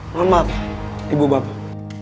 mohon maaf ibu bapak